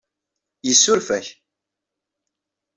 Yessuref-ak.